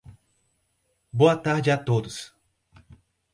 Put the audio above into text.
Boa tarde a todos.